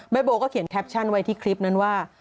โบก็เขียนแคปชั่นไว้ที่คลิปนั้นว่า